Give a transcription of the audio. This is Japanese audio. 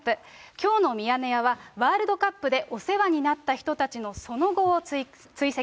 きょうのミヤネ屋は、ワールドカップでお世話になった人たちのその後を追跡。